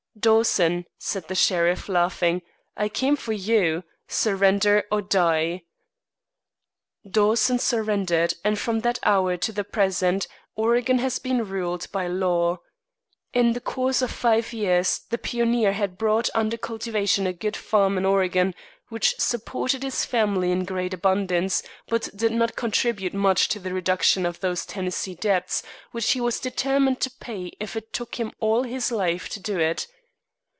"Dawson," said the sheriff, laughing, "I came for you. Surrender or die." Dawson surrendered, and from that hour to the present, Oregon has been ruled by law. In the course of five years the pioneer had brought under cultivation a good farm in Oregon, which supported his family in great abundance, but did not contribute much to the reduction of those Tennessee debts, which he was determined to pay if it took him all his life to do it.